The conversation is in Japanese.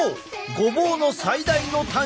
ごぼうの最大の短所。